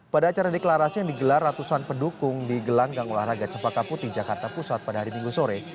pada acara deklarasi yang digelar ratusan pendukung di gelanggang olahraga cempaka putih jakarta pusat pada hari minggu sore